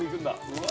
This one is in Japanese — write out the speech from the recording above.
うわ！